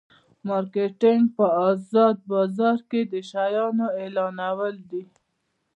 مارکیټینګ په ازاد بازار کې د شیانو اعلانول دي.